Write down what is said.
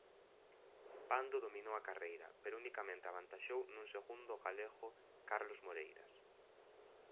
Pando dominou a carreira pero unicamente avantaxou nun segundo ao galego Carlos Moreiras.